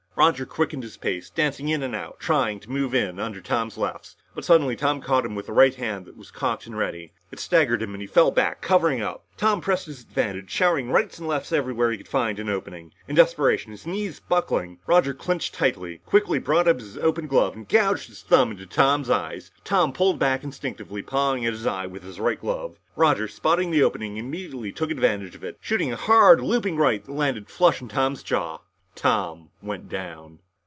Roger quickened his pace, dancing in and out, trying to move in under Tom's lefts, but suddenly Tom caught him with a right hand that was cocked and ready. It staggered him and he fell back, covering up. Tom pressed his advantage, showering rights and lefts everywhere he could find an opening. In desperation, his knees buckling, Roger clinched tightly, quickly brought up his open glove and gouged his thumb into Tom's eyes. Tom pulled back, instinctively pawing at his eye with his right glove. Roger, spotting the opening, took immediate advantage of it, shooting a hard looping right that landed flush on Tom's jaw. Tom went down.